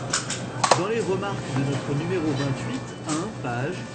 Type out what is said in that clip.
dans les remarques de notre nº vingt-huit (un, p.